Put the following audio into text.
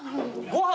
ご飯！